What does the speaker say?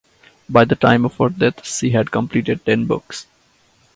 By the time of her death she had completed ten books.